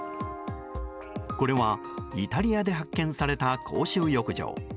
これはイタリアで発見された公衆浴場。